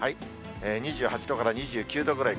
２８度から２９度くらい。